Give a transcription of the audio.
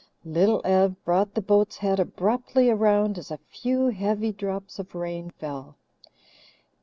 Little Ev brought the boat's head abruptly round as a few heavy drops of rain fell.